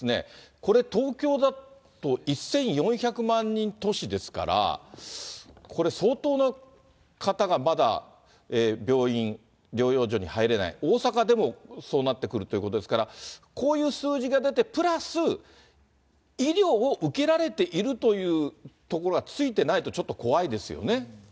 これ、東京だと１４００万人都市ですから、これ相当な方が、まだ病院、療養所に入れない、大阪でもそうなってくるということですから、こういう数字が出てプラス医療を受けられているというところがついてないと、ちょっと怖いですよね。